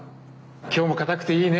今日もかたくていいね。